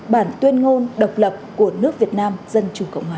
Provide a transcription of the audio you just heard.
bản tuyên ngôn độc lập của nước việt nam dân chủ cộng hòa